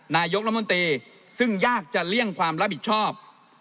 นายกรัฐมนตรีซึ่งยากจะเลี่ยงความรับผิดชอบ